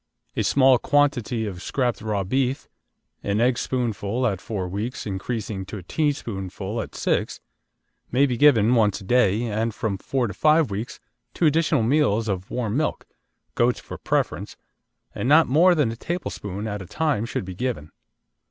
A small quantity of scraped raw beef an eggspoonful at four weeks, increasing to a teaspoonful at six may be given once a day, and from four to five weeks two additional meals of warm milk goat's for preference and not more than a tablespoonful at a time should be given.